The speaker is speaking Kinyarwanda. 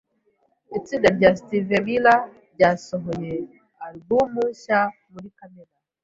Itsinda rya Steve Miller ryasohoye alubumu nshya muri Kamena .